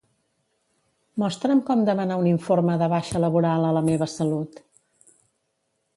Mostra'm com demanar un informe de baixa laboral a La meva salut.